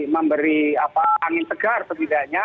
memberi angin segar setidaknya